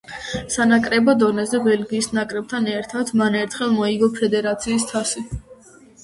სანაკრებო დონეზე ბელგიის ნაკრებთან ერთად, მან ერთხელ მოიგო ფედერაციის თასი.